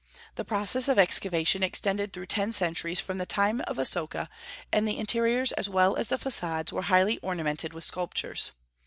The process of excavation extended through ten centuries from the time of Asoka; and the interiors as well as the façades were highly ornamented with sculptures.